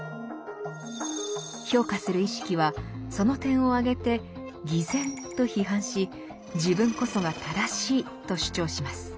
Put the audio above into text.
評価する意識はその点を挙げて「偽善」と批判し自分こそが正しいと主張します。